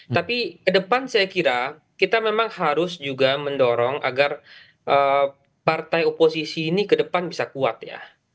tapi ke depan saya kira kita memang harus juga mendorong agar partai oposisi ini ke depan bisa kuat ya